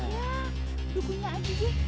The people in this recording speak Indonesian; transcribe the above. ya dukungnya aja gek